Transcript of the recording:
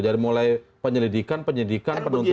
jadi mulai penyelidikan penyedikan penuntutan